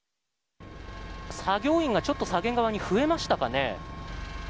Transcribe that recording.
作業員がちょっと左舷側に増えましたかね。